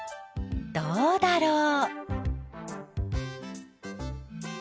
どうだろう？